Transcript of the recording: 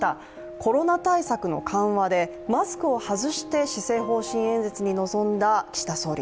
コロナ対策の緩和で、マスクを外して施政方針演説に臨んだ岸田総理。